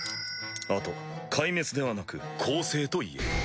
あと壊滅ではなく更生と言え。